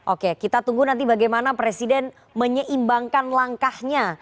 oke kita tunggu nanti bagaimana presiden menyeimbangkan langkahnya